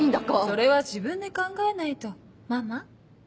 それは自分で考えないとママ。